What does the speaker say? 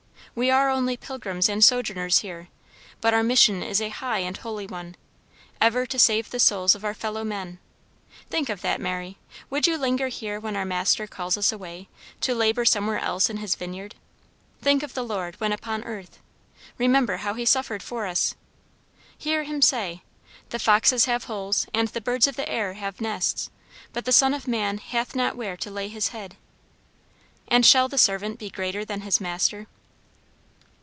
We are only pilgrims and sojourners here; but our mission is a high and holy one ever to save the souls of our fellow men. Think of that, Mary. Would you linger here when our Master calls us away, to labor somewhere else in His vineyard? Think of the Lord, when upon earth. Remember how He suffered for us. Hear Him say, 'The foxes have holes, and the birds of the air have nests, but the Son of Man hath not where to lay his head.' And shall the servant be greater than his Master?"